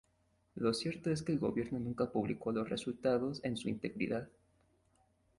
Lo cierto es que el gobierno nunca publicó los resultados en su integridad.